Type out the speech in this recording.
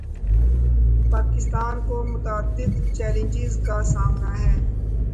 پاکستان کو متعدد چیلنجز کا سامنا ہے۔